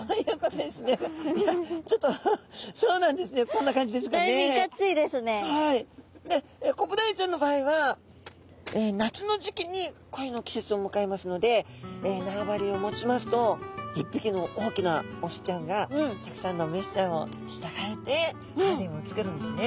こんな感じですかね。でコブダイちゃんの場合は夏の時期に恋の季節をむかえますので縄張りを持ちますと一匹の大きなオスちゃんがたくさんのメスちゃんを従えてハーレムを作るんですね。